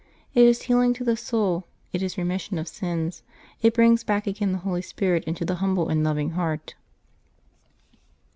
It is healing to the soul; it is re mission of sins ; it brings back again the Holy Spirit into the humble and loving heart."